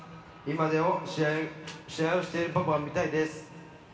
「今でも試合をしているパパを見たいです」